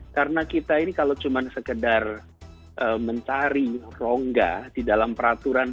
karena kita ini kalau cuma sekedar mencari rongga di dalam peraturan